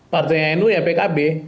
partai nu ya pkb